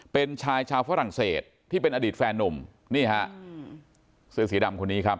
เป็นชายชาวฝรั่งเศสที่เป็นอดีตแฟนนุ่มนี่ฮะเสื้อสีดำคนนี้ครับ